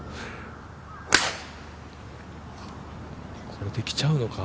これできちゃうのか？